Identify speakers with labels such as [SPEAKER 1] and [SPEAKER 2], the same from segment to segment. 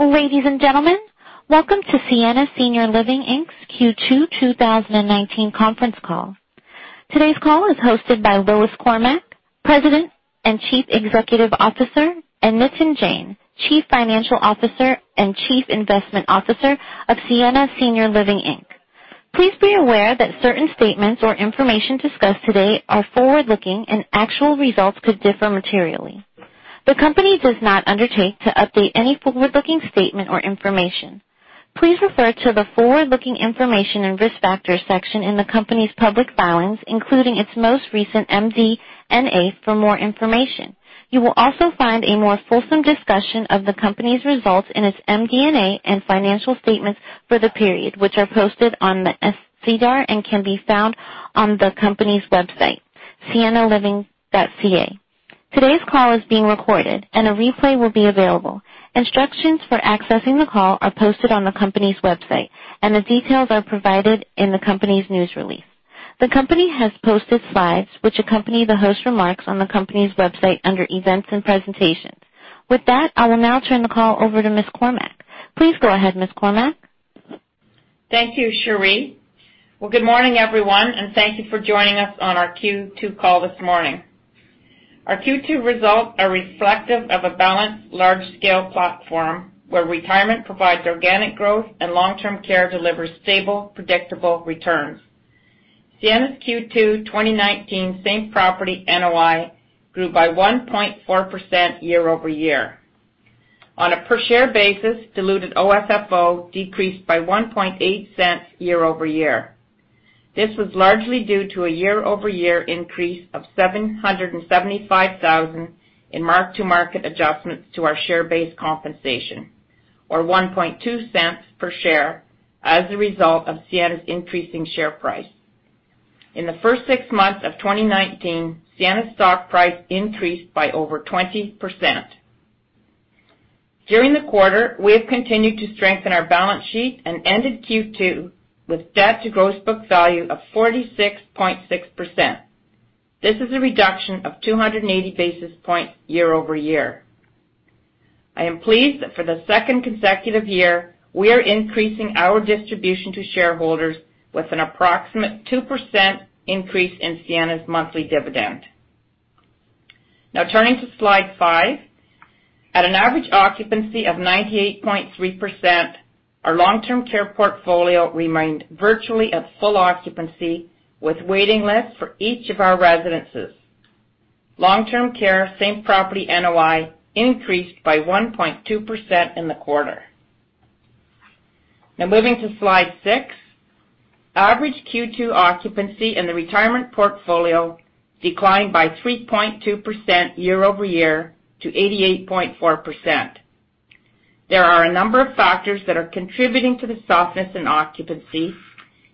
[SPEAKER 1] Ladies and gentlemen, welcome to Sienna Senior Living Inc.'s Q2 2019 conference call. Today's call is hosted by Lois Cormack, President and Chief Executive Officer, and Nitin Jain, Chief Financial Officer and Chief Investment Officer of Sienna Senior Living Inc. Please be aware that certain statements or information discussed today are forward-looking and actual results could differ materially. The company does not undertake to update any forward-looking statement or information. Please refer to the forward-looking information and risk factors section in the company's public filings, including its most recent MD&A for more information. You will also find a more fulsome discussion of the company's results in its MD&A and financial statements for the period, which are posted on the SEDAR and can be found on the company's website, siennaliving.ca. Today's call is being recorded and a replay will be available. Instructions for accessing the call are posted on the company's website, and the details are provided in the company's news release. The company has posted slides which accompany the host remarks on the company's website under events and presentations. With that, I will now turn the call over to Ms. Cormack. Please go ahead, Ms. Cormack.
[SPEAKER 2] Thank you, Cherie. Good morning, everyone, and thank you for joining us on our Q2 call this morning. Our Q2 results are reflective of a balanced large-scale platform where retirement provides organic growth and long-term care delivers stable, predictable returns. Sienna's Q2 2019 same property NOI grew by 1.4% year-over-year. On a per share basis, diluted OFFO decreased by 0.018 year-over-year. This was largely due to a year-over-year increase of 775,000 in mark-to-market adjustments to our share-based compensation, or 0.012 per share as a result of Sienna's increasing share price. In the first six months of 2019, Sienna's stock price increased by over 20%. During the quarter, we have continued to strengthen our balance sheet and ended Q2 with debt to gross book value of 46.6%. This is a reduction of 280 basis points year-over-year. I am pleased that for the second consecutive year, we are increasing our distribution to shareholders with an approximate 2% increase in Sienna's monthly dividend. Turning to slide five. At an average occupancy of 98.3%, our long-term care portfolio remained virtually at full occupancy with waiting lists for each of our residences. Long-term care same property NOI increased by 1.2% in the quarter. Moving to slide six. Average Q2 occupancy in the retirement portfolio declined by 3.2% year-over-year to 88.4%. There are a number of factors that are contributing to the softness in occupancy,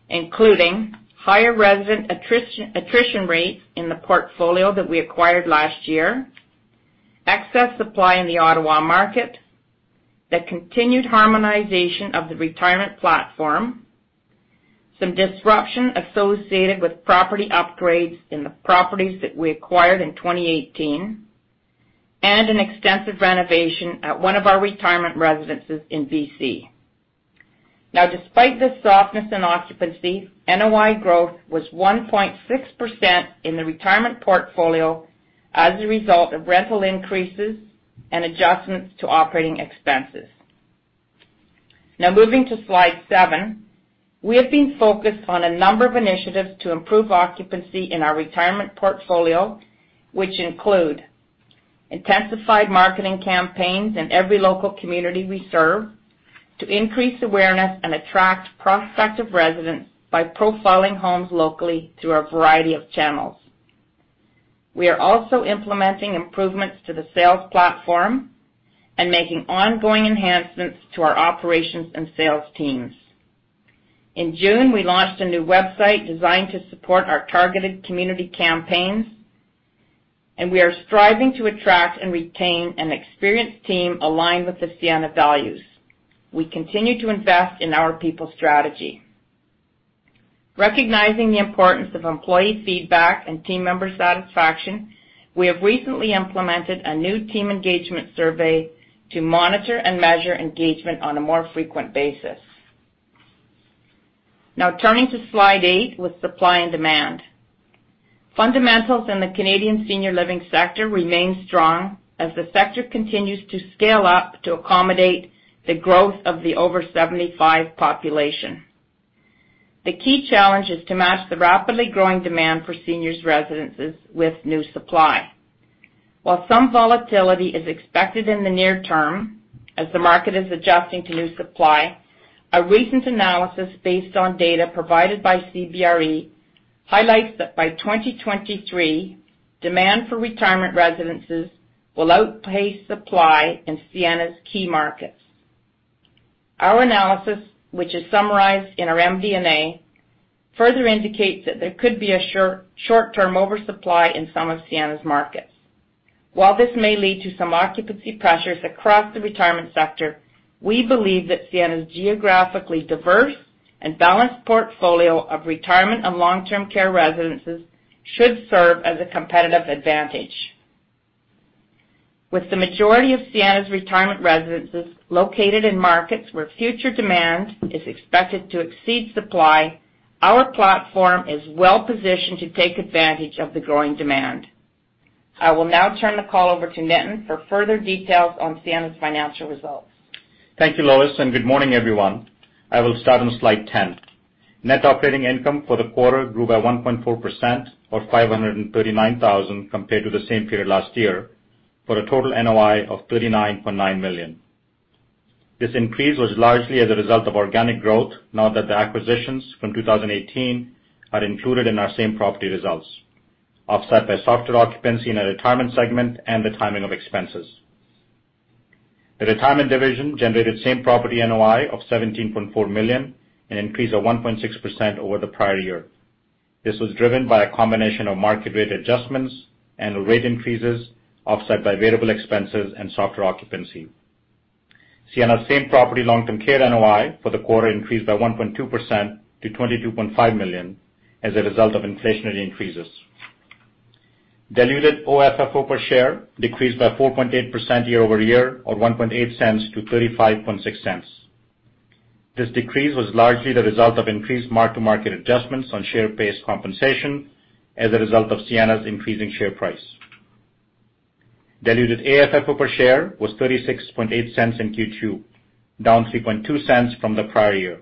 [SPEAKER 2] including higher resident attrition rate in the portfolio that we acquired last year, excess supply in the Ottawa market, the continued harmonization of the retirement platform, some disruption associated with property upgrades in the properties that we acquired in 2018, and an extensive renovation at one of our retirement residences in B.C. Despite this softness in occupancy, NOI growth was 1.6% in the retirement portfolio as a result of rental increases and adjustments to operating expenses. Moving to slide seven. We have been focused on a number of initiatives to improve occupancy in our retirement portfolio which include intensified marketing campaigns in every local community we serve to increase awareness and attract prospective residents by profiling homes locally through a variety of channels. We are also implementing improvements to the sales platform and making ongoing enhancements to our operations and sales teams. In June, we launched a new website designed to support our targeted community campaigns. We are striving to attract and retain an experienced team aligned with the Sienna values. We continue to invest in our people strategy. Recognizing the importance of employee feedback and team member satisfaction, we have recently implemented a new team engagement survey to monitor and measure engagement on a more frequent basis. Turning to slide eight with supply and demand. Fundamentals in the Canadian senior living sector remain strong as the sector continues to scale up to accommodate the growth of the over 75 population. The key challenge is to match the rapidly growing demand for seniors residences with new supply. While some volatility is expected in the near term as the market is adjusting to new supply, a recent analysis based on data provided by CBRE highlights that by 2023, demand for retirement residences will outpace supply in Sienna's key markets. Our analysis, which is summarized in our MD&A, further indicates that there could be a short-term oversupply in some of Sienna's markets. While this may lead to some occupancy pressures across the retirement sector, we believe that Sienna's geographically diverse and balanced portfolio of retirement and long-term care residences should serve as a competitive advantage. With the majority of Sienna's retirement residences located in markets where future demand is expected to exceed supply, our platform is well-positioned to take advantage of the growing demand. I will now turn the call over to Nitin for further details on Sienna's financial results.
[SPEAKER 3] Thank you, Lois. Good morning, everyone. I will start on slide 10. Net operating income for the quarter grew by 1.4%, or 539,000, compared to the same period last year, for a total NOI of 39.9 million. This increase was largely as a result of organic growth now that the acquisitions from 2018 are included in our same property results, offset by softer occupancy in our retirement segment and the timing of expenses. The retirement division generated same property NOI of 17.4 million, an increase of 1.6% over the prior year. This was driven by a combination of market rate adjustments and rate increases, offset by variable expenses and softer occupancy. Sienna same property long-term care NOI for the quarter increased by 1.2% to 22.5 million as a result of inflationary increases. Diluted OFFO per share decreased by 4.8% year-over-year, or 0.018 to 0.356. This decrease was largely the result of increased mark-to-market adjustments on share-based compensation as a result of Sienna's increasing share price. Diluted AFFO per share was 0.368 in Q2, down 0.032 from the prior year.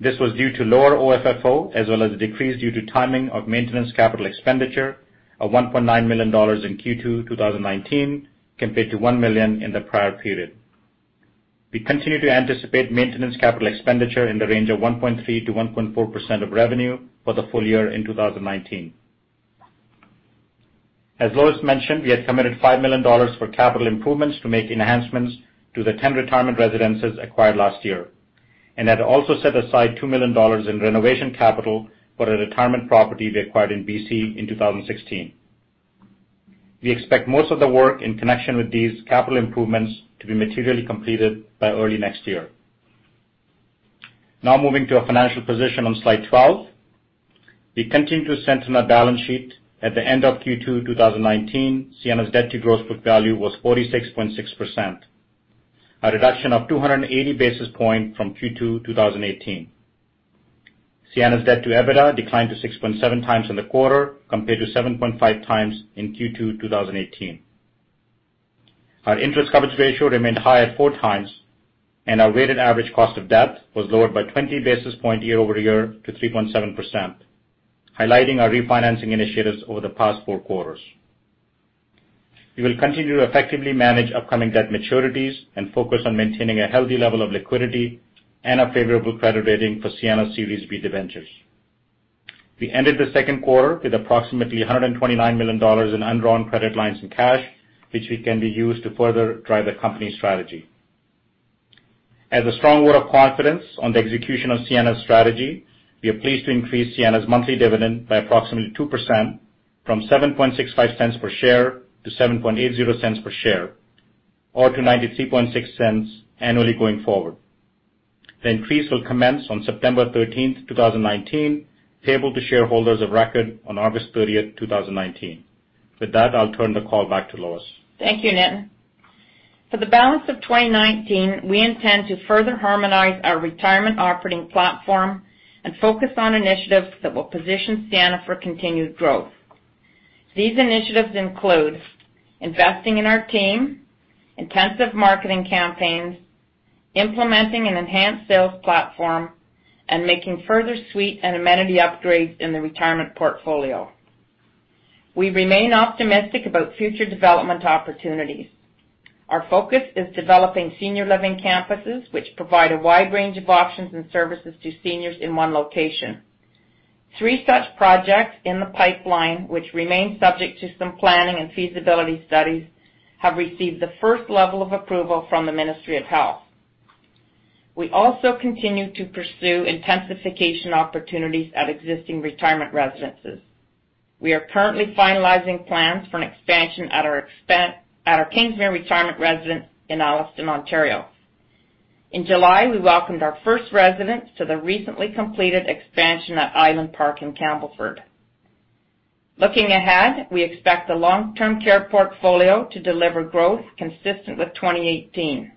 [SPEAKER 3] This was due to lower OFFO, as well as a decrease due to timing of maintenance capital expenditure of 1.9 million dollars in Q2 2019, compared to 1 million in the prior period. We continue to anticipate maintenance capital expenditure in the range of 1.3%-1.4% of revenue for the full year in 2019. As Lois mentioned, we had committed 5 million dollars for capital improvements to make enhancements to the 10 retirement residences acquired last year, and had also set aside 2 million dollars in renovation capital for a retirement property we acquired in B.C. in 2016. We expect most of the work in connection with these capital improvements to be materially completed by early next year. Now moving to our financial position on slide 12. We continue to strengthen our balance sheet. At the end of Q2 2019, Sienna's debt to gross book value was 46.6%, a reduction of 280 basis points from Q2 2018. Sienna's debt to EBITDA declined to 6.7 times in the quarter, compared to 7.5 times in Q2 2018. Our interest coverage ratio remained high at four times, and our weighted average cost of debt was lowered by 20 basis points year-over-year to 3.7%, highlighting our refinancing initiatives over the past four quarters. We will continue to effectively manage upcoming debt maturities and focus on maintaining a healthy level of liquidity and a favorable credit rating for Sienna's Series B debentures. We ended the second quarter with approximately 129 million dollars in undrawn credit lines in cash, which can be used to further drive the company's strategy. As a strong vote of confidence on the execution of Sienna's strategy, we are pleased to increase Sienna's monthly dividend by approximately 2%, from 0.0765 per share to 0.0780 per share, or to 0.936 annually going forward. The increase will commence on September 13th, 2019, payable to shareholders of record on August 30th, 2019. With that, I'll turn the call back to Lois.
[SPEAKER 2] Thank you, Nitin. For the balance of 2019, we intend to further harmonize our retirement operating platform and focus on initiatives that will position Sienna for continued growth. These initiatives include investing in our team, intensive marketing campaigns, implementing an enhanced sales platform, and making further suite and amenity upgrades in the retirement portfolio. We remain optimistic about future development opportunities. Our focus is developing senior living campuses, which provide a wide range of options and services to seniors in one location. Three such projects in the pipeline, which remain subject to some planning and feasibility studies, have received the 1 level of approval from the Ministry of Health. We also continue to pursue intensification opportunities at existing retirement residences. We are currently finalizing plans for an expansion at our Kingsmere Retirement Residence in Alliston, Ontario. In July, we welcomed our first residents to the recently completed expansion at Island Park in Campbellford. Looking ahead, we expect the long-term care portfolio to deliver growth consistent with 2018.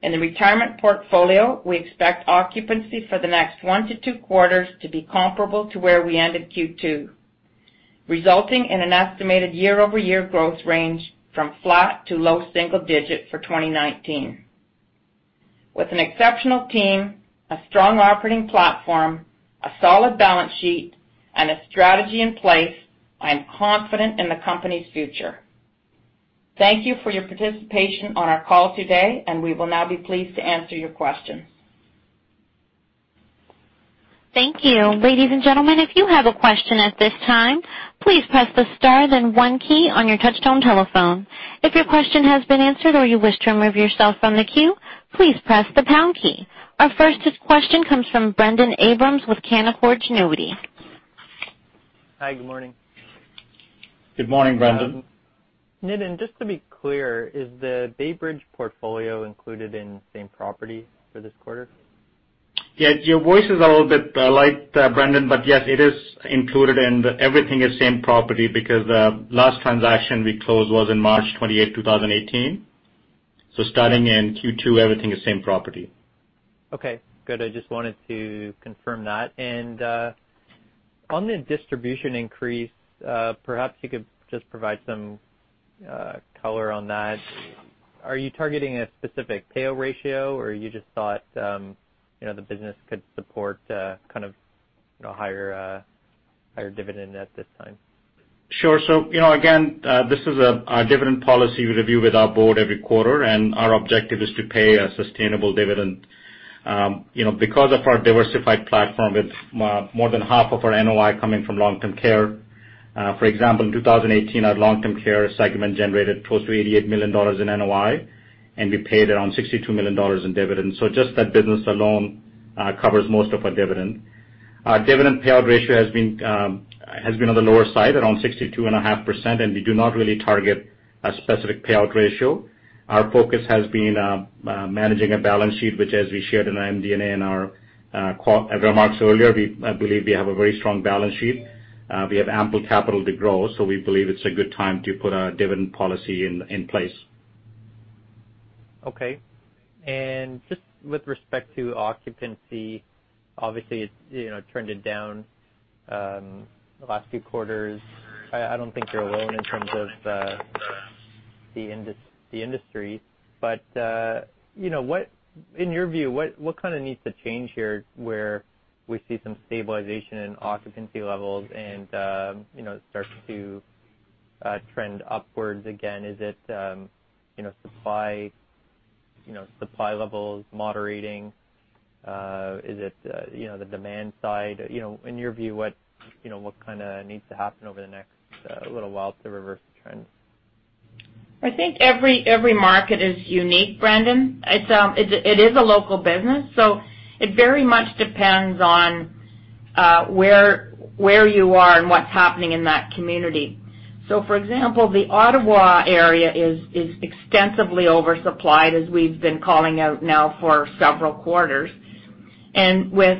[SPEAKER 2] In the retirement portfolio, we expect occupancy for the next one to two quarters to be comparable to where we ended Q2, resulting in an estimated year-over-year growth range from flat to low single digit for 2019. With an exceptional team, a strong operating platform, a solid balance sheet, and a strategy in place, I am confident in the company's future. Thank you for your participation on our call today, and we will now be pleased to answer your questions.
[SPEAKER 1] Thank you. Ladies and gentlemen, if you have a question at this time, please press the star then one key on your touchtone telephone. If your question has been answered or you wish to remove yourself from the queue, please press the pound key. Our first question comes from Brendon Abrams with Canaccord Genuity.
[SPEAKER 4] Hi, good morning.
[SPEAKER 3] Good morning, Brendon.
[SPEAKER 4] Nitin, just to be clear, is the BayBridge portfolio included in same property for this quarter?
[SPEAKER 3] Your voice is a little bit light, Brendon, but yes, it is included, and everything is same property because the last transaction we closed was on March 28, 2018. Starting in Q2, everything is same property.
[SPEAKER 4] Okay, good. I just wanted to confirm that. On the distribution increase, perhaps you could just provide some color on that. Are you targeting a specific payout ratio, or you just thought the business could support a higher dividend at this time?
[SPEAKER 3] Sure. Again, this is a dividend policy we review with our board every quarter, and our objective is to pay a sustainable dividend. Because of our diversified platform, with more than half of our NOI coming from long-term care, for example, in 2018, our long-term care segment generated close to 88 million dollars in NOI, and we paid around 62 million dollars in dividends. Just that business alone covers most of our dividend. Our dividend payout ratio has been on the lower side, around 62.5%, and we do not really target a specific payout ratio. Our focus has been on managing a balance sheet, which, as we shared in our MD&A in our remarks earlier, I believe we have a very strong balance sheet. We have ample capital to grow. We believe it's a good time to put a dividend policy in place.
[SPEAKER 4] Okay. Just with respect to occupancy, obviously it's trended down the last few quarters. I don't think you're alone in terms of the industry. In your view, what kind of needs to change here, where we see some stabilization in occupancy levels and it starts to trend upwards again? Is it supply levels moderating? Is it the demand side? In your view, what needs to happen over the next little while to reverse the trends?
[SPEAKER 2] I think every market is unique, Brendon. It is a local business, so it very much depends on where you are and what's happening in that community. For example, the Ottawa area is extensively oversupplied, as we've been calling out now for several quarters. With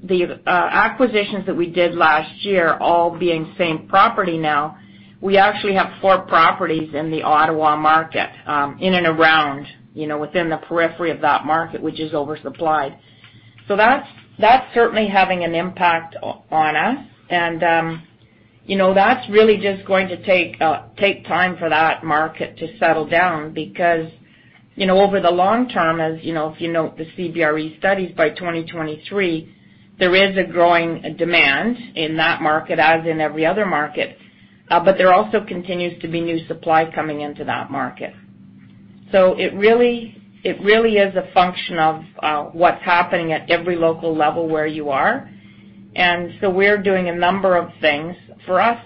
[SPEAKER 2] the acquisitions that we did last year all being same property now, we actually have four properties in the Ottawa market in and around, within the periphery of that market, which is oversupplied. That's certainly having an impact on us. That's really just going to take time for that market to settle down, because over the long term, as if you note the CBRE studies, by 2023, there is a growing demand in that market as in every other market. There also continues to be new supply coming into that market. It really is a function of what's happening at every local level where you are. We're doing a number of things. For us,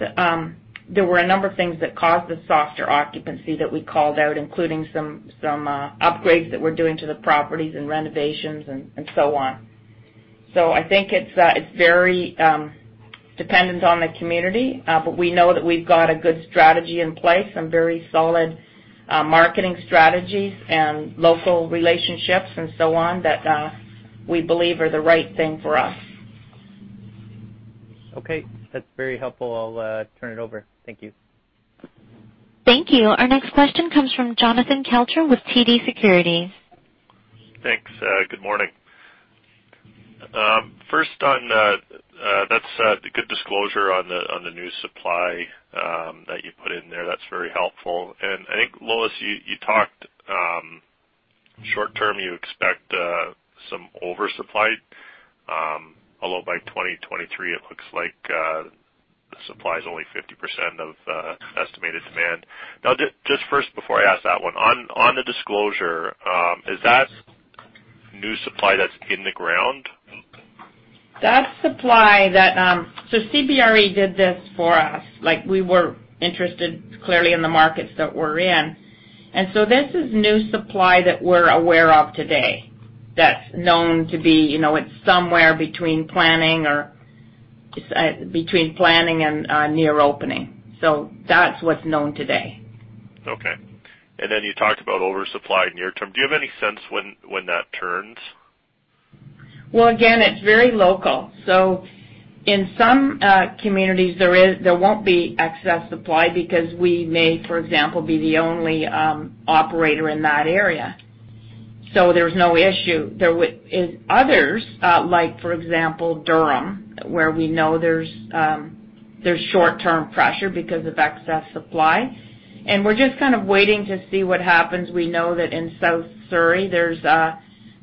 [SPEAKER 2] there were a number of things that caused the softer occupancy that we called out, including some upgrades that we're doing to the properties and renovations and so on. I think it's very dependent on the community, but we know that we've got a good strategy in place, some very solid marketing strategies and local relationships and so on that we believe are the right thing for us.
[SPEAKER 4] Okay. That's very helpful. I'll turn it over. Thank you.
[SPEAKER 1] Thank you. Our next question comes from Jonathan Kelcher with TD Securities.
[SPEAKER 5] Thanks. Good morning. First on that's a good disclosure on the new supply that you put in there. That's very helpful. I think, Lois, you talked short-term, you expect some oversupply. By 2023, it looks like the supply is only 50% of estimated demand. Just first, before I ask that one, on the disclosure, is that new supply that's in the ground?
[SPEAKER 2] That's supply. CBRE did this for us. We were interested, clearly, in the markets that we're in. This is new supply that we're aware of today that's known to be somewhere between planning and near opening. That's what's known today.
[SPEAKER 5] Okay. Then you talked about oversupply near-term. Do you have any sense when that turns?
[SPEAKER 2] Well, again, it's very local. In some communities, there won't be excess supply because we may, for example, be the only operator in that area. There's no issue. In others, like for example, Durham, where we know there's short-term pressure because of excess supply. We're just kind of waiting to see what happens. We know that in South Surrey, there's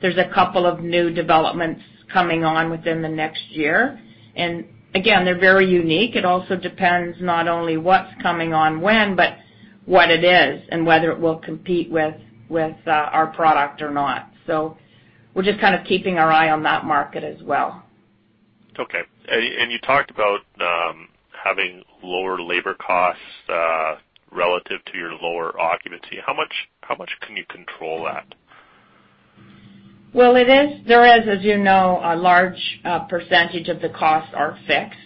[SPEAKER 2] a couple of new developments coming on within the next year. Again, they're very unique. It also depends not only what's coming on when, but what it is and whether it will compete with our product or not. We're just kind of keeping our eye on that market as well.
[SPEAKER 5] Okay. You talked about having lower labor costs, relative to your lower occupancy. How much can you control that?
[SPEAKER 2] Well, as you know, a large percentage of the costs are fixed.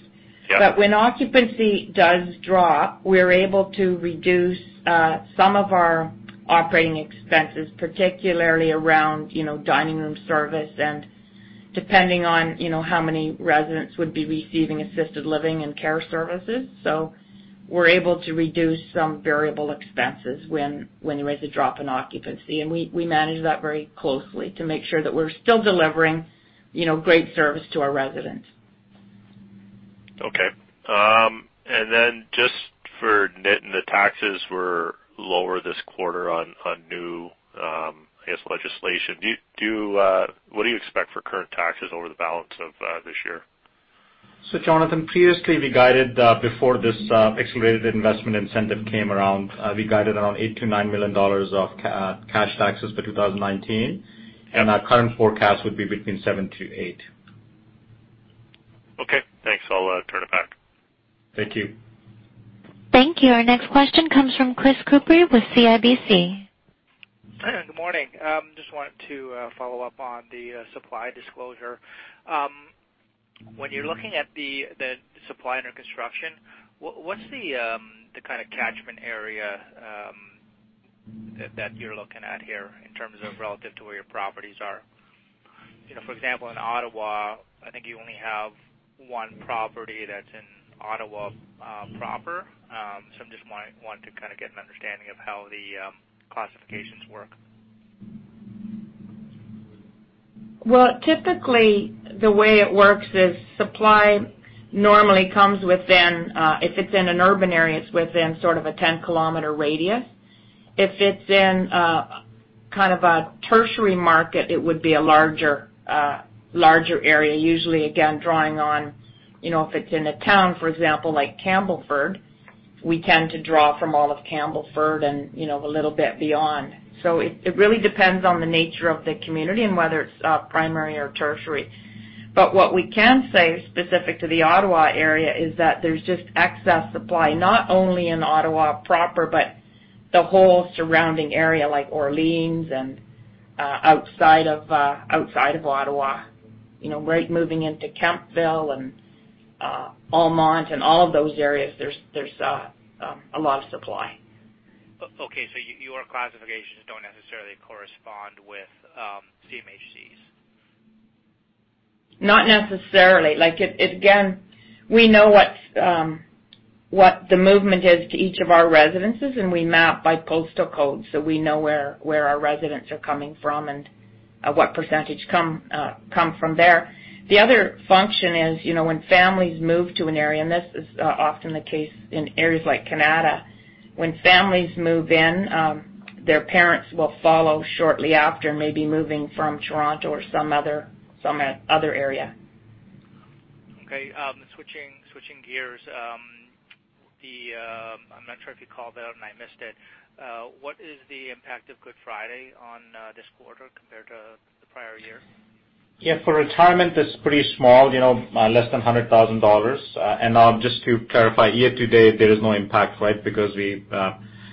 [SPEAKER 5] Yes.
[SPEAKER 2] When occupancy does drop, we're able to reduce some of our operating expenses, particularly around dining room service, and depending on how many residents would be receiving assisted living and care services. We're able to reduce some variable expenses when there is a drop in occupancy. We manage that very closely to make sure that we're still delivering great service to our residents.
[SPEAKER 5] Just for Nitin, the taxes were lower this quarter on new, I guess, legislation. What do you expect for current taxes over the balance of this year?
[SPEAKER 3] Jonathan, previously we guided, before this Accelerated Investment Incentive came around, we guided around 8 million-9 million dollars of cash taxes for 2019, and our current forecast would be between 7 million-8 million.
[SPEAKER 5] Okay, thanks. I'll turn it back.
[SPEAKER 3] Thank you.
[SPEAKER 1] Thank you. Our next question comes from Chris Couprie with CIBC.
[SPEAKER 6] Good morning. Just wanted to follow up on the supply disclosure. When you're looking at the supply under construction, what's the kind of catchment area that you're looking at here in terms of relative to where your properties are? For example, in Ottawa, I think you only have one property that's in Ottawa proper. I'm just wanting to kind of get an understanding of how the classifications work.
[SPEAKER 2] Well, typically, the way it works is supply normally comes within, if it's in an urban area, it's within sort of a 10-kilometer radius. If it's in kind of a tertiary market, it would be a larger area, usually, again, drawing on, if it's in a town, for example, like Campbellford, we tend to draw from all of Campbellford and a little bit beyond. It really depends on the nature of the community and whether it's primary or tertiary. What we can say, specific to the Ottawa area, is that there's just excess supply, not only in Ottawa proper, but the whole surrounding area like Orleans and outside of Ottawa. Moving into Kemptville and Beaumont and all of those areas, there's a lot of supply.
[SPEAKER 6] Okay. Your classifications don't necessarily correspond with CMHC's.
[SPEAKER 2] Not necessarily. Again, we know what the movement is to each of our residences, and we map by postal code, so we know where our residents are coming from and what percentage come from there. The other function is, when families move to an area, and this is often the case in areas like Canada, when families move in, their parents will follow shortly after, maybe moving from Toronto or some other area.
[SPEAKER 6] Okay. Switching gears. I'm not sure if you called out and I missed it. What is the impact of Good Friday on this quarter compared to the prior year?
[SPEAKER 3] Yeah. For retirement, it's pretty small, less than 100,000 dollars. Now just to clarify, year to date, there is no impact, right? Because we-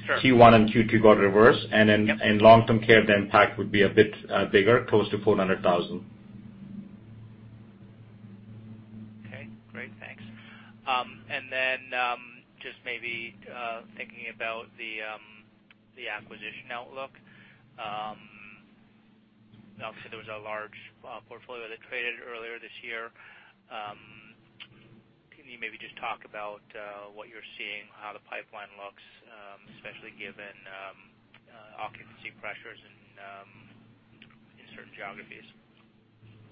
[SPEAKER 6] Sure
[SPEAKER 3] Q1 and Q2 got reversed. In long-term care, the impact would be a bit bigger, close to 400,000.
[SPEAKER 6] Okay, great. Thanks. Just maybe thinking about the acquisition outlook. Obviously, there was a large portfolio that traded earlier this year. Can you maybe just talk about what you're seeing, how the pipeline looks, especially given occupancy pressures in certain geographies?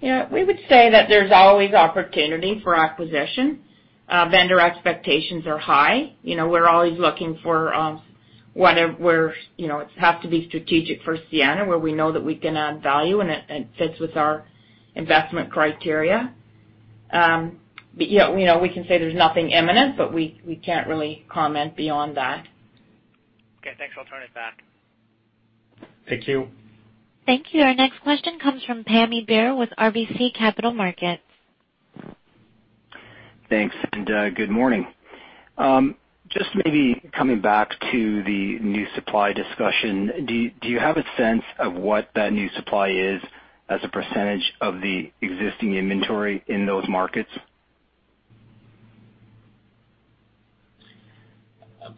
[SPEAKER 2] Yeah, we would say that there's always opportunity for acquisition. Vendor expectations are high. We're always looking for It has to be strategic for Sienna, where we know that we can add value and it fits with our investment criteria. We can say there's nothing imminent, but we can't really comment beyond that.
[SPEAKER 6] Okay, thanks. I'll turn it back.
[SPEAKER 3] Thank you.
[SPEAKER 1] Thank you. Our next question comes from Pammi Bir with RBC Capital Markets.
[SPEAKER 7] Thanks, and good morning. Just maybe coming back to the new supply discussion. Do you have a sense of what that new supply is as a % of the existing inventory in those markets?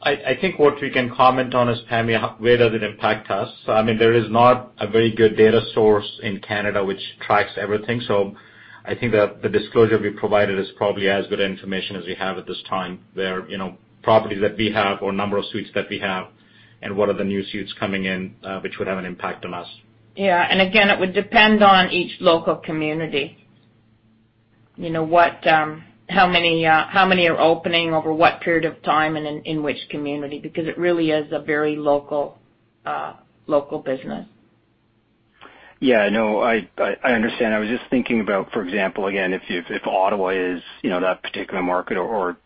[SPEAKER 3] I think what we can comment on is, Pammi, where does it impact us? There is not a very good data source in Canada which tracks everything. I think that the disclosure we provided is probably as good information as we have at this time. There are properties that we have or number of suites that we have, and what are the new suites coming in, which would have an impact on us.
[SPEAKER 2] Yeah. Again, it would depend on each local community. How many are opening over what period of time and in which community, because it really is a very local business.
[SPEAKER 7] Yeah, I know. I understand. I was just thinking about, for example, again, if Ottawa is that particular market or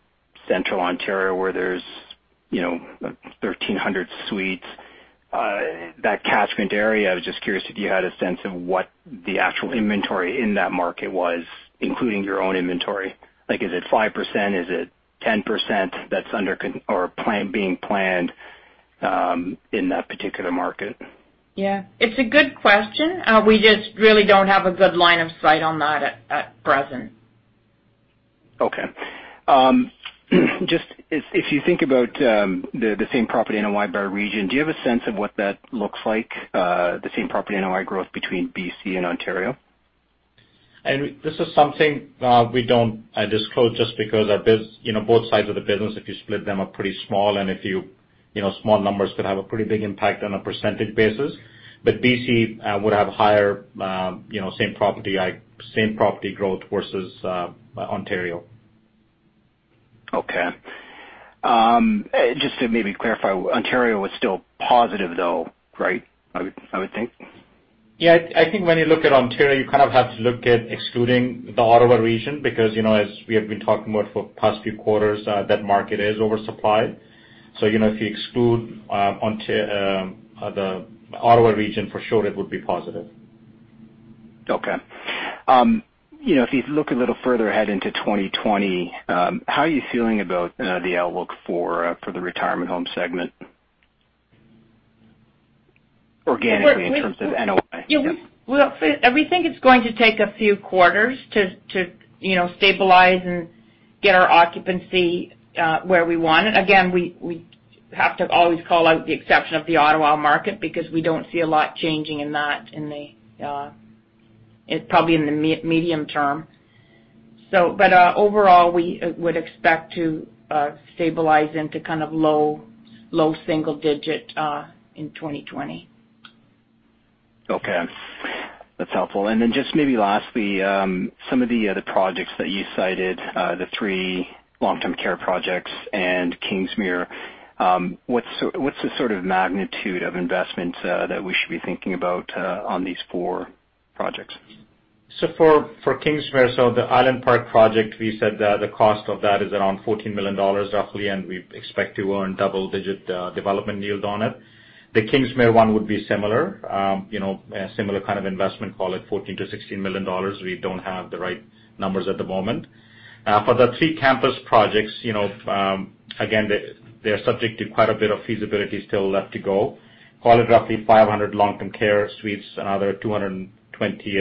[SPEAKER 7] Central Ontario where there's 1,300 suites, that catchment area, I was just curious if you had a sense of what the actual inventory in that market was, including your own inventory. Is it 5%? Is it 10% that's being planned in that particular market?
[SPEAKER 2] Yeah. It's a good question. We just really don't have a good line of sight on that at present.
[SPEAKER 7] Okay. Just, if you think about the same property in a wider region, do you have a sense of what that looks like, the same property NOI growth between B.C. and Ontario?
[SPEAKER 3] This is something we don't disclose just because both sides of the business, if you split them, are pretty small, and small numbers could have a pretty big impact on a % basis. BC would have higher same property growth versus Ontario.
[SPEAKER 7] Okay. Just to maybe clarify, Ontario is still positive, though, right? I would think.
[SPEAKER 3] Yeah. I think when you look at Ontario, you kind of have to look at excluding the Ottawa region because, as we have been talking about for the past few quarters, that market is oversupplied. If you exclude the Ottawa region, for sure it would be positive.
[SPEAKER 7] Okay. If you look a little further ahead into 2020, how are you feeling about the outlook for the retirement home segment, organically, in terms of NOI?
[SPEAKER 2] We think it's going to take a few quarters to stabilize and get our occupancy where we want it. Again, we have to always call out the exception of the Ottawa market, because we don't see a lot changing in that, probably in the medium term. Overall, we would expect to stabilize into low single digit in 2020.
[SPEAKER 7] Okay. That's helpful. Just maybe lastly, some of the other projects that you cited, the three long-term care projects and Kingsmere. What's the sort of magnitude of investment that we should be thinking about on these four projects?
[SPEAKER 3] For Kingsmere, the Island Park project, we said that the cost of that is around 14 million dollars roughly, and we expect to earn double-digit development yield on it. The Kingsmere one would be similar. A similar kind of investment, call it 14 million-16 million dollars. We don't have the right numbers at the moment. For the three campus projects, again, they're subject to quite a bit of feasibility still left to go. Call it roughly 500 long-term care suites, another 220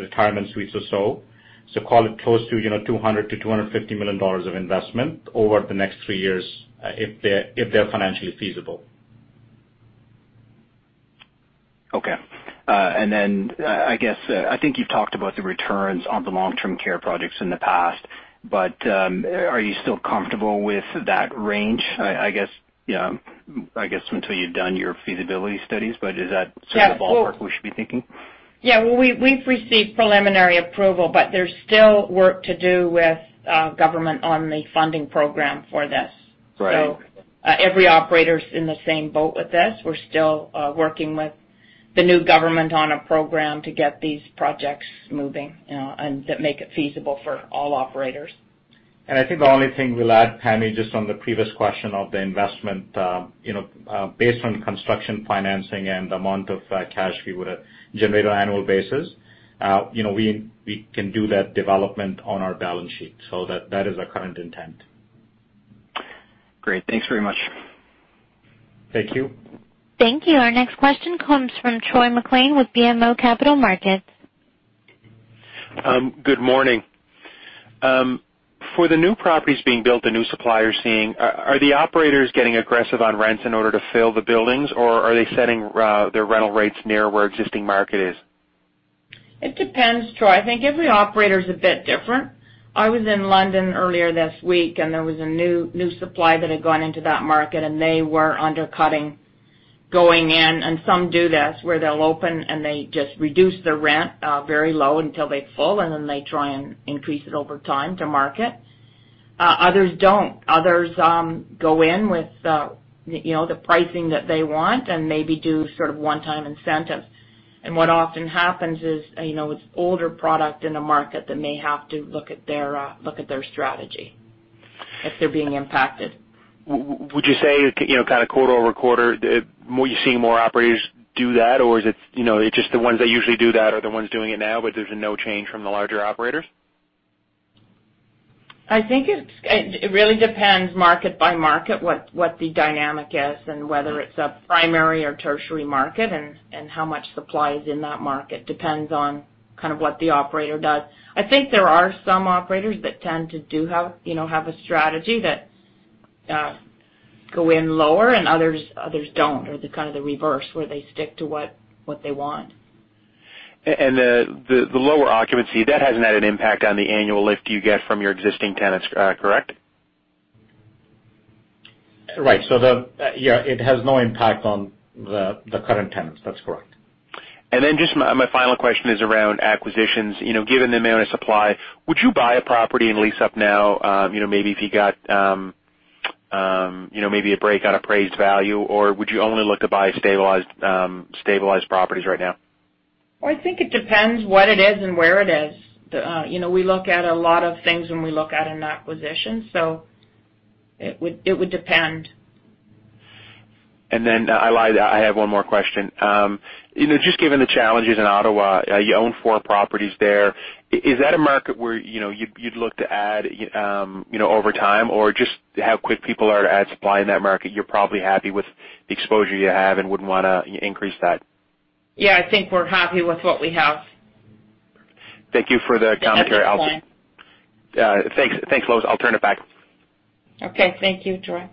[SPEAKER 3] retirement suites or so. Call it close to 200 million-250 million dollars of investment over the next three years, if they're financially feasible.
[SPEAKER 7] Okay. I think you've talked about the returns on the long-term care projects in the past. Are you still comfortable with that range? I guess, until you've done your feasibility studies, is that sort of the ballpark we should be thinking?
[SPEAKER 2] Yeah. Well, we've received preliminary approval, but there's still work to do with government on the funding program for this.
[SPEAKER 7] Right.
[SPEAKER 2] Every operator's in the same boat with this. We're still working with the new government on a program to get these projects moving, and that make it feasible for all operators.
[SPEAKER 3] I think the only thing we'll add, Pammi, just on the previous question of the investment. Based on construction financing and the amount of cash we would generate on annual basis, we can do that development on our balance sheet. That is our current intent.
[SPEAKER 7] Great. Thanks very much.
[SPEAKER 3] Thank you.
[SPEAKER 1] Thank you. Our next question comes from Troy MacLean with BMO Capital Markets.
[SPEAKER 8] Good morning. For the new properties being built, the new supply you're seeing, are the operators getting aggressive on rents in order to fill the buildings, or are they setting their rental rates near where existing market is?
[SPEAKER 2] It depends, Troy. I think every operator's a bit different. I was in London earlier this week, and there was a new supply that had gone into that market, and they were undercutting going in. Some do this, where they'll open and they just reduce their rent very low until they fill, and then they try and increase it over time to market. Others don't. Others go in with the pricing that they want and maybe do sort of one-time incentives. What often happens is, it's older product in a market that may have to look at their strategy if they're being impacted.
[SPEAKER 8] Would you say, kind of quarter-over-quarter, you're seeing more operators do that, or is it just the ones that usually do that are the ones doing it now, but there's no change from the larger operators?
[SPEAKER 2] I think it really depends market by market, what the dynamic is and whether it's a primary or tertiary market, and how much supply is in that market. Depends on kind of what the operator does. I think there are some operators that tend to have a strategy that go in lower, and others don't, or kind of the reverse, where they stick to what they want.
[SPEAKER 8] The lower occupancy, that hasn't had an impact on the annual lift you get from your existing tenants, correct?
[SPEAKER 3] Right. It has no impact on the current tenants. That's correct.
[SPEAKER 8] Just my final question is around acquisitions. Given the amount of supply, would you buy a property and lease up now, maybe if you got maybe a break on appraised value, or would you only look to buy stabilized properties right now?
[SPEAKER 2] Well, I think it depends what it is and where it is. We look at a lot of things when we look at an acquisition, so it would depend.
[SPEAKER 8] I have one more question. Just given the challenges in Ottawa, you own four properties there. Is that a market where you'd look to add over time? Or just how quick people are to add supply in that market, you're probably happy with the exposure you have and wouldn't want to increase that.
[SPEAKER 2] Yeah, I think we're happy with what we have.
[SPEAKER 8] Thank you for the commentary.
[SPEAKER 2] That's it for me.
[SPEAKER 8] Thanks, Lois. I'll turn it back.
[SPEAKER 2] Okay. Thank you, Troy.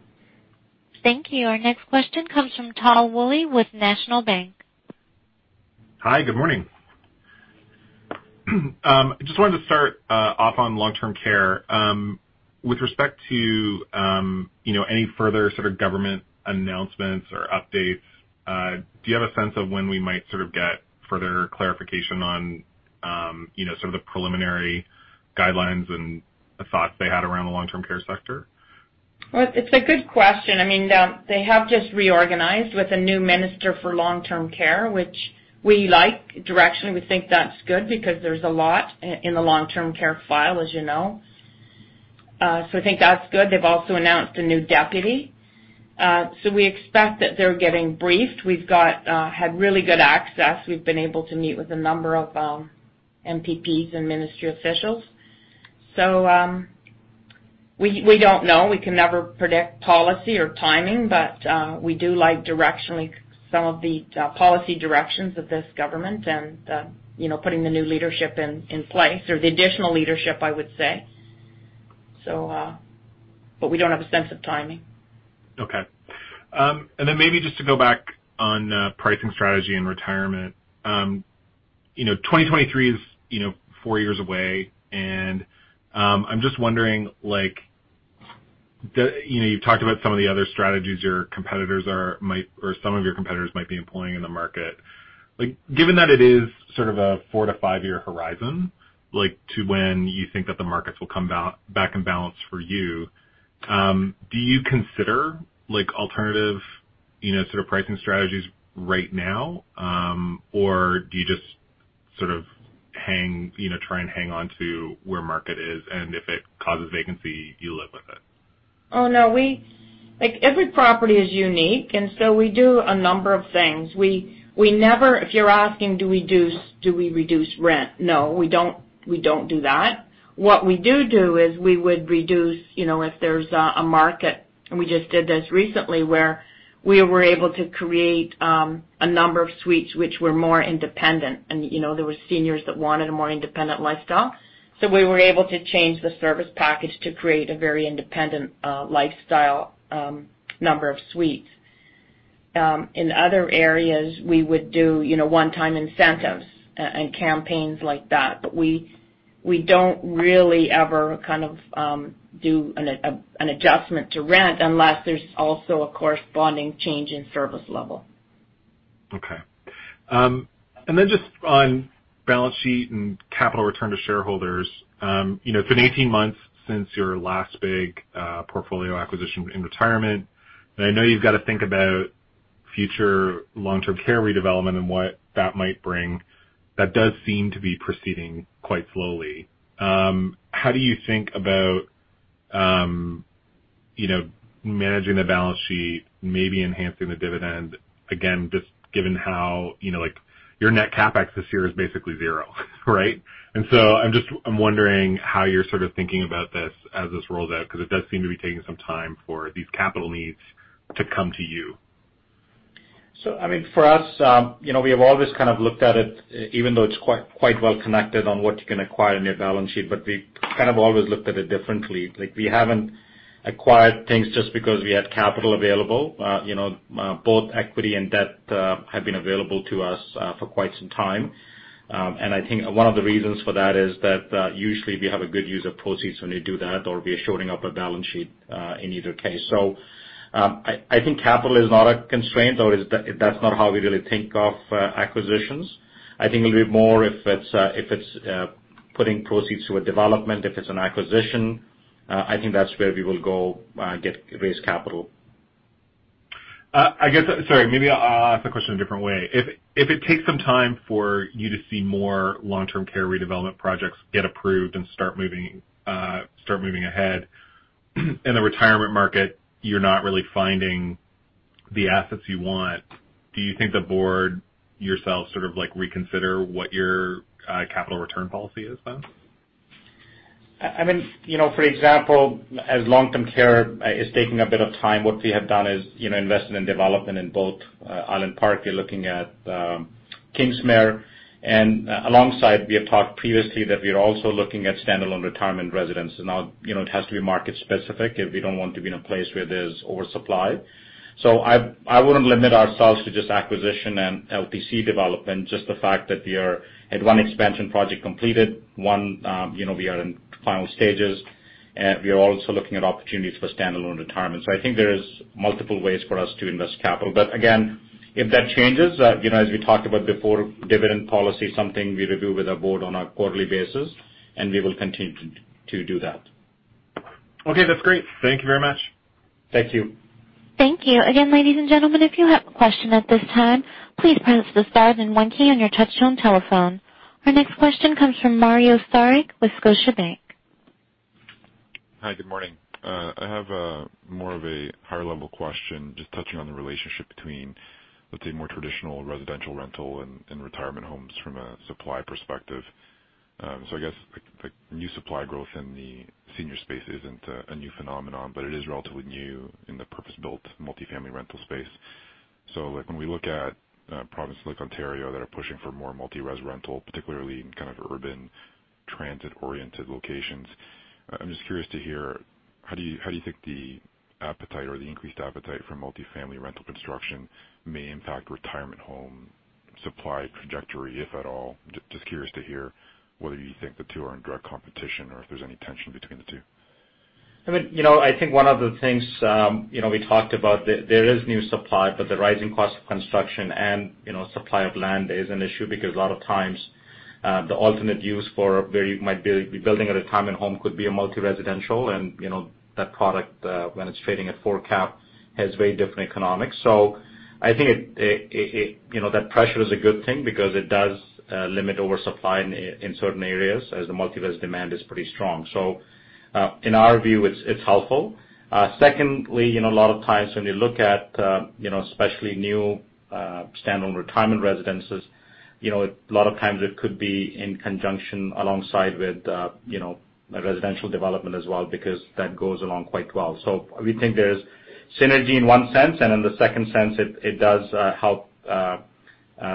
[SPEAKER 1] Thank you. Our next question comes from Tal Woolley with National Bank.
[SPEAKER 9] Hi, good morning. Just wanted to start off on long-term care. With respect to any further sort of government announcements or updates, do you have a sense of when we might sort of get further clarification on sort of the preliminary guidelines and the thoughts they had around the long-term care sector?
[SPEAKER 2] It's a good question. They have just reorganized with a new minister for long-term care, which we like. Directionally, we think that's good because there's a lot in the long-term care file, as you know. I think that's good. They've also announced a new deputy. We expect that they're getting briefed. We've had really good access. We've been able to meet with a number of MPPs and ministry officials. We don't know. We can never predict policy or timing, we do like directionally some of the policy directions of this government and putting the new leadership in place, or the additional leadership, I would say. We don't have a sense of timing.
[SPEAKER 9] Okay. Maybe just to go back on pricing strategy and retirement. 2023 is four years away. I'm just wondering, you've talked about some of the other strategies some of your competitors might be employing in the market. Given that it is sort of a four to five-year horizon to when you think that the markets will come back in balance for you, do you consider alternative sort of pricing strategies right now? Do you just sort of try and hang on to where market is, and if it causes vacancy, you live with it?
[SPEAKER 2] Oh, no. Every property is unique, we do a number of things. If you're asking, do we reduce rent? No, we don't do that. What we do is we would reduce if there's a market, we just did this recently, where we were able to create a number of suites which were more independent, there were seniors that wanted a more independent lifestyle. We were able to change the service package to create a very independent lifestyle number of suites. In other areas, we would do one-time incentives and campaigns like that. We don't really ever kind of do an adjustment to rent unless there's also a corresponding change in service level.
[SPEAKER 9] Okay. Just on balance sheet and capital return to shareholders. It's been 18 months since your last big portfolio acquisition in retirement, and I know you've got to think about future long-term care redevelopment and what that might bring. That does seem to be proceeding quite slowly. How do you think about managing the balance sheet, maybe enhancing the dividend again, just given how your net CapEx this year is basically zero, right? I'm wondering how you're sort of thinking about this as this rolls out, because it does seem to be taking some time for these capital needs to come to you.
[SPEAKER 3] For us, we have always kind of looked at it, even though it's quite well connected on what you can acquire in your balance sheet, but we kind of always looked at it differently. We haven't acquired things just because we had capital available. Both equity and debt have been available to us for quite some time. I think one of the reasons for that is that usually we have a good use of proceeds when we do that, or we are shoring up our balance sheet in either case. I think capital is not a constraint, or that's not how we really think of acquisitions. I think it'll be more if it's putting proceeds to a development, if it's an acquisition, I think that's where we will go raise capital.
[SPEAKER 9] Sorry. Maybe I'll ask the question a different way. If it takes some time for you to see more long-term care redevelopment projects get approved and start moving ahead, in the retirement market, you're not really finding the assets you want. Do you think the board, yourself sort of reconsider what your capital return policy is then?
[SPEAKER 3] For example, as long-term care is taking a bit of time, what we have done is invested in development in both Island Park. We're looking at Kingsmere. Alongside, we have talked previously that we are also looking at standalone retirement residence. It has to be market specific, we don't want to be in a place where there's oversupply. I wouldn't limit ourselves to just acquisition and LTC development, just the fact that we had one expansion project completed, one we are in final stages, and we are also looking at opportunities for standalone retirement. I think there is multiple ways for us to invest capital. Again, if that changes, as we talked about before, dividend policy is something we review with our board on a quarterly basis, and we will continue to do that.
[SPEAKER 9] Okay, that's great. Thank you very much.
[SPEAKER 3] Thank you.
[SPEAKER 1] Thank you. Again, ladies and gentlemen, if you have a question at this time, please press the star and one key on your touchtone telephone. Our next question comes from Mario Saric with Scotiabank.
[SPEAKER 10] Hi, good morning. I have more of a higher-level question, just touching on the relationship between, let's say, more traditional residential, rental, and retirement homes from a supply perspective. I guess new supply growth in the senior space isn't a new phenomenon, but it is relatively new in the purpose-built multi-family rental space. When we look at provinces like Ontario that are pushing for more multi-res rental, particularly in urban transit-oriented locations, I'm just curious to hear, how do you think the appetite or the increased appetite for multi-family rental construction may impact retirement home supply trajectory, if at all? Just curious to hear whether you think the two are in direct competition or if there's any tension between the two.
[SPEAKER 3] I think one of the things we talked about, there is new supply, but the rising cost of construction and supply of land is an issue because a lot of times the alternate use for where you might be building a retirement home could be a multi-residential. That product, when it's trading at four cap, has very different economics. I think that pressure is a good thing because it does limit oversupply in certain areas as the multi-res demand is pretty strong. In our view, it's helpful. Secondly, a lot of times when you look at especially new standalone retirement residences, a lot of times it could be in conjunction alongside with a residential development as well, because that goes along quite well. We think there's synergy in one sense, and in the second sense, it does help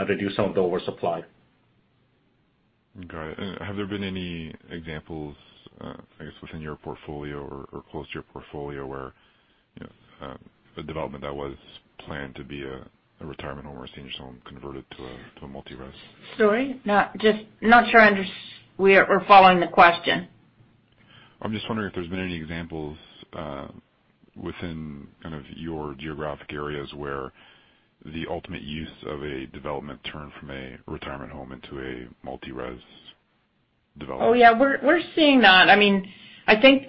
[SPEAKER 3] reduce some of the oversupply.
[SPEAKER 10] Got it. Have there been any examples, I guess, within your portfolio or close to your portfolio where a development that was planned to be a retirement home or a seniors home converted to a multi-res?
[SPEAKER 2] Sorry. Not sure we're following the question.
[SPEAKER 10] I'm just wondering if there's been any examples within your geographic areas where the ultimate use of a development turned from a retirement home into a multi-res development?
[SPEAKER 2] Oh, yeah. We're seeing that. I think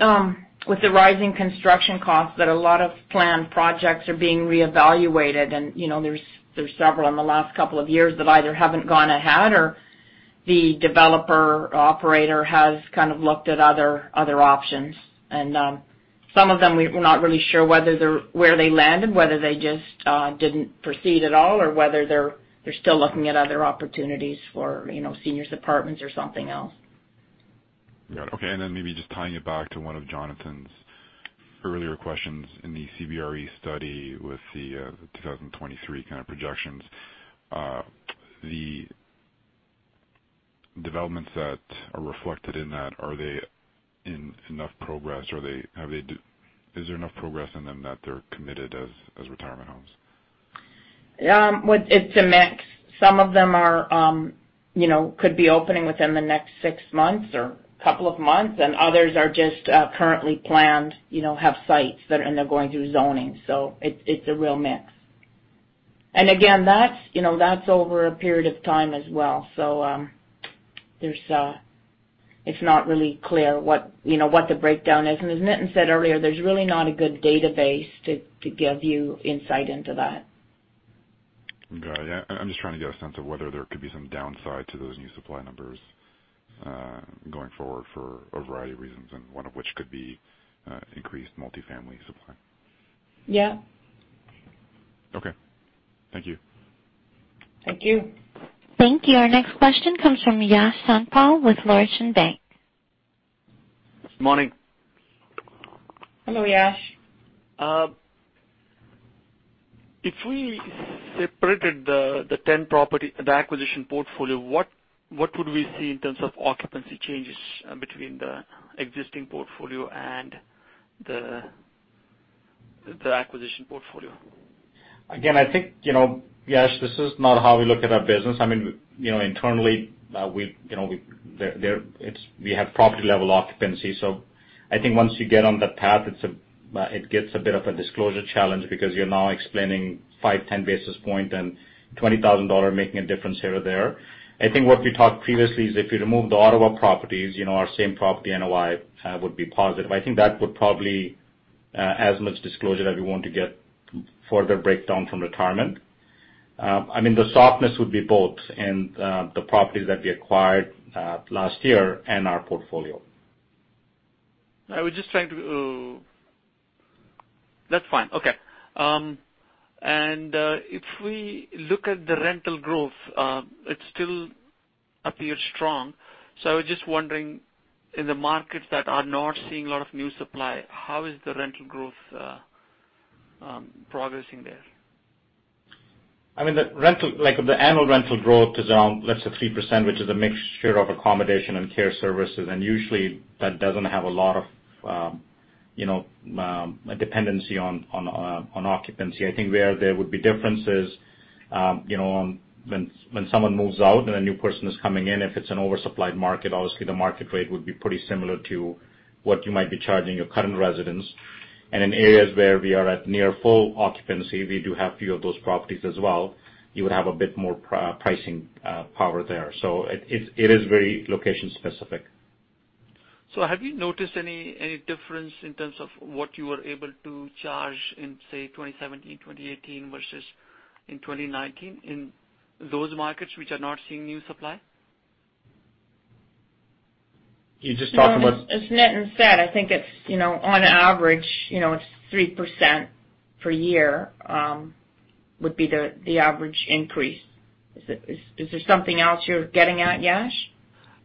[SPEAKER 2] with the rising construction costs, that a lot of planned projects are being reevaluated, and there's several in the last couple of years that either haven't gone ahead or the developer operator has looked at other options. Some of them, we're not really sure where they landed, whether they just didn't proceed at all, or whether they're still looking at other opportunities for seniors apartments or something else.
[SPEAKER 10] Got it. Okay, maybe just tying it back to one of Jonathan's earlier questions in the CBRE study with the 2023 projections. The developments that are reflected in that, is there enough progress in them that they're committed as retirement homes?
[SPEAKER 2] It's a mix. Some of them could be opening within the next six months or couple of months, and others are just currently planned, have sites, and they're going through zoning. It's a real mix. Again, that's over a period of time as well. It's not really clear what the breakdown is. As Nitin said earlier, there's really not a good database to give you insight into that.
[SPEAKER 10] Got it. I'm just trying to get a sense of whether there could be some downside to those new supply numbers going forward for a variety of reasons, and one of which could be increased multi-family supply.
[SPEAKER 2] Yeah.
[SPEAKER 10] Okay. Thank you.
[SPEAKER 2] Thank you.
[SPEAKER 1] Thank you. Our next question comes from Yash Sankpal with Laurentian Bank.
[SPEAKER 11] Morning.
[SPEAKER 2] Hello, Yash.
[SPEAKER 11] If we separated the 10 property, the acquisition portfolio, what would we see in terms of occupancy changes between the existing portfolio and the acquisition portfolio?
[SPEAKER 3] I think, Yash, this is not how we look at our business. Internally, we have property-level occupancy. I think once you get on that path, it gets a bit of a disclosure challenge because you're now explaining 5, 10 basis points and 20,000 dollar making a difference here or there. I think what we talked previously is if you remove the Ottawa properties, our same property NOI would be positive. I think that would probably as much disclosure as we want to get further breakdown from retirement. The softness would be both in the properties that we acquired last year and our portfolio.
[SPEAKER 11] That's fine. Okay. If we look at the rental growth, it still appears strong. I was just wondering, in the markets that are not seeing a lot of new supply, how is the rental growth progressing there?
[SPEAKER 3] The annual rental growth is around, let's say, 3%, which is a mixture of accommodation and care services. Usually, that doesn't have a lot of dependency on occupancy. I think where there would be differences when someone moves out and a new person is coming in, if it's an oversupplied market, obviously the market rate would be pretty similar to what you might be charging your current residents. In areas where we are at near full occupancy, we do have few of those properties as well, you would have a bit more pricing power there. It is very location specific.
[SPEAKER 11] Have you noticed any difference in terms of what you were able to charge in, say, 2017, 2018 versus in 2019 in those markets which are not seeing new supply?
[SPEAKER 3] You're just talking about-
[SPEAKER 2] Nitin said, I think on average, 3% per year would be the average increase. Is there something else you're getting at, Yash?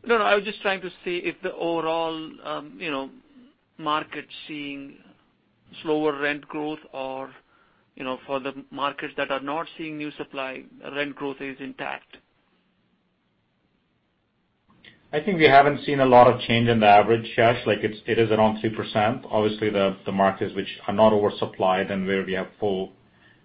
[SPEAKER 11] I was just trying to see if the overall market's seeing slower rent growth or for the markets that are not seeing new supply, rent growth is intact.
[SPEAKER 3] I think we haven't seen a lot of change in the average, Yash. Like, it is around 3%. Obviously, the markets which are not oversupplied and where we have close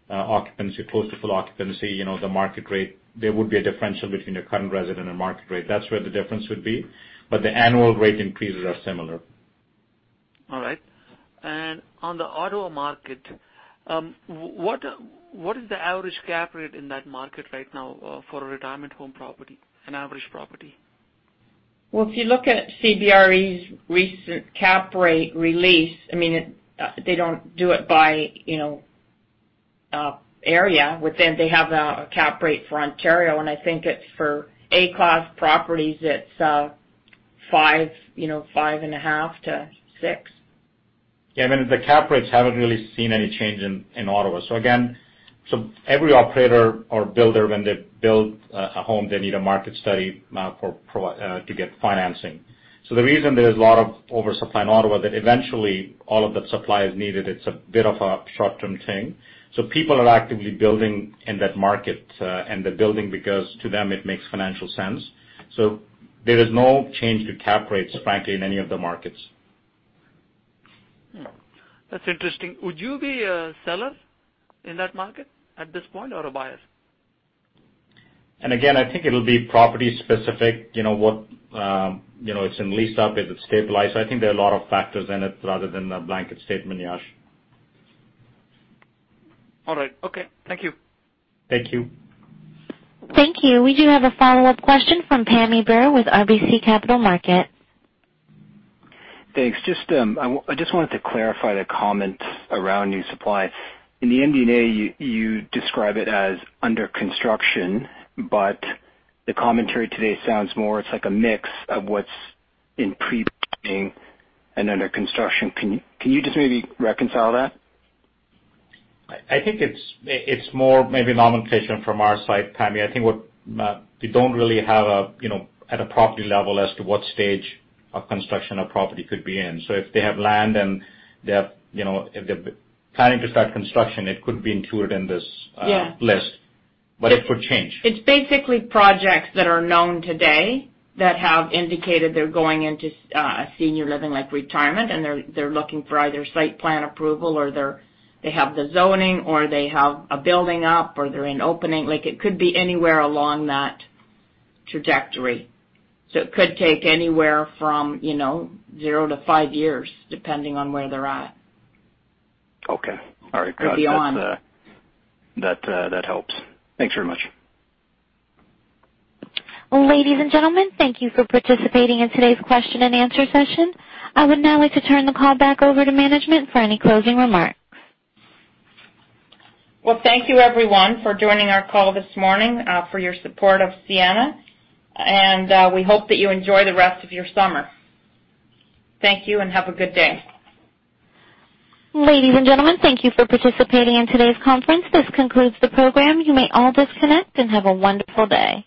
[SPEAKER 3] to full occupancy, the market rate, there would be a differential between your current resident and market rate. That's where the difference would be. The annual rate increases are similar.
[SPEAKER 11] All right. On the Ottawa market, what is the average cap rate in that market right now for a retirement home property, an average property?
[SPEAKER 2] If you look at CBRE's recent cap rate release, they don't do it by area. They have a cap rate for Ontario, and I think it's for A class properties, it's 5.5%-6%.
[SPEAKER 3] Yeah, I mean, the cap rates haven't really seen any change in Ottawa. Again, every operator or builder, when they build a home, they need a market study to get financing. The reason there is a lot of oversupply in Ottawa, that eventually all of that supply is needed, it's a bit of a short-term thing. People are actively building in that market, and they're building because to them it makes financial sense. There is no change to cap rates, frankly, in any of the markets.
[SPEAKER 11] That's interesting. Would you be a seller in that market at this point or a buyer?
[SPEAKER 3] I think it'll be property specific. It's in lease up, if it's stabilized. I think there are a lot of factors in it rather than a blanket statement, Yash.
[SPEAKER 11] All right. Okay. Thank you.
[SPEAKER 3] Thank you.
[SPEAKER 1] Thank you. We do have a follow-up question from Pammi Bir with RBC Capital Markets.
[SPEAKER 7] Thanks. I just wanted to clarify the comment around new supply. In the MD&A, you describe it as under construction, but the commentary today sounds more, it's like a mix of what's in pre and under construction. Can you just maybe reconcile that?
[SPEAKER 3] I think it's more maybe nomenclature from our side, Pammi. I think we don't really have at a property level as to what stage of construction a property could be in. If they have land and they're planning to start construction, it could be included in this.
[SPEAKER 2] Yeah
[SPEAKER 3] list. It could change.
[SPEAKER 2] It's basically projects that are known today that have indicated they're going into senior living, like retirement, and they're looking for either site plan approval or they have the zoning or they have a building up or they're in opening. Like, it could be anywhere along that trajectory. It could take anywhere from zero to five years, depending on where they're at.
[SPEAKER 7] Okay. All right.
[SPEAKER 2] Could be on.
[SPEAKER 7] That helps. Thanks very much.
[SPEAKER 1] Ladies and gentlemen, thank you for participating in today's question and answer session. I would now like to turn the call back over to management for any closing remarks.
[SPEAKER 2] Well, thank you everyone for joining our call this morning, for your support of Sienna, and we hope that you enjoy the rest of your summer. Thank you and have a good day.
[SPEAKER 1] Ladies and gentlemen, thank you for participating in today's conference. This concludes the program. You may all disconnect, and have a wonderful day.